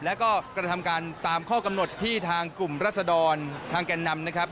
แล้วก็กระทำการตามข้อกำหนดที่ทางกลุ่มรัศดรทางแก่นนำนะครับ